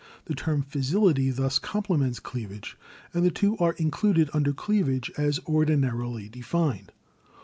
The term fissility thus complements cleavage, and the two are included un der cleavage as ordinarily defined."